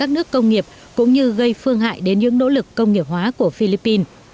các nước công nghiệp cũng như gây phương hại đến những nỗ lực công nghiệp hóa của philippines